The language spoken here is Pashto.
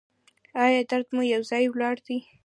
ایا درد مو یو ځای ولاړ دی؟